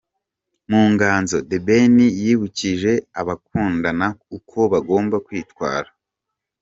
Mu nganzo The Ben yibukije abakundana uko bagomba kwitwara.